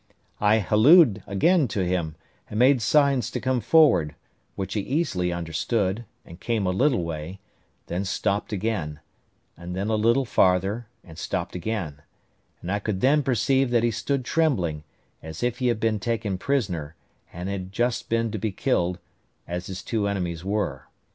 I hallooed again to him, and made signs to come forward, which he easily understood, and came a little way; then stopped again, and then a little farther, and stopped again; and I could then perceive that he stood trembling, as if he had been taken prisoner, and had just been to be killed, as his two enemies were.